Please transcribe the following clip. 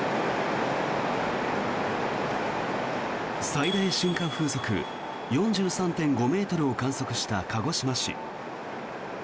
最大瞬間風速４３．５ｍを観測した鹿児島市。